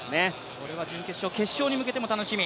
これは準決勝、決勝に向けても楽しみ。